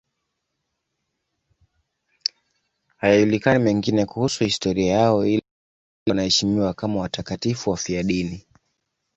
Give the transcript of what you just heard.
Hayajulikani mengine kuhusu historia yao, ila tangu kale wanaheshimiwa kama watakatifu wafiadini.